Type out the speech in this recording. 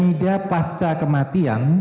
dihasilkannya cyanida pasca kematian